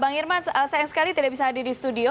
bang irman sayang sekali tidak bisa hadir di studio